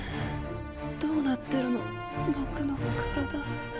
どうなってるの僕の体。